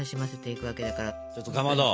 ちょっとかまど。